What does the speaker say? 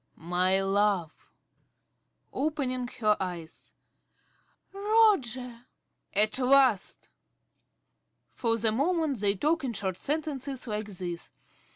~ My love! ~Dorothy~ (opening her eyes). Roger! ~Roger.~ At last! (_For the moment they talk in short sentences like this.